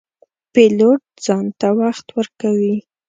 پیلوټ ځان ته وخت ورکوي.